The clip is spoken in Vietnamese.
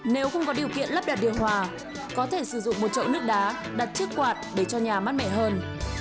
nếu không có điều kiện lắp đặt điều hòa có thể sử dụng một chậu nước đá đặt trước quạt để cho nhà mát mẻ hơn